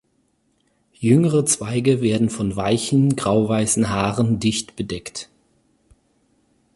Jüngere Zweige werden von weichen grauweißen Haaren dicht bedeckt.